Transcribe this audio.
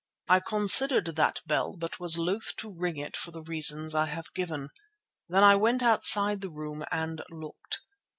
I considered that bell but was loath to ring it for the reasons I have given. Then I went outside the room and looked.